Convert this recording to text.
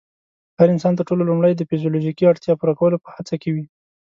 هر انسان تر ټولو لومړی د فزيولوژيکي اړتیا پوره کولو په هڅه کې وي.